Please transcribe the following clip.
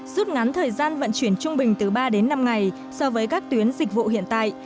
rút ngắn thời gian vận chuyển trung bình từ ba đến năm ngày so với các tuyến dịch vụ hiện tại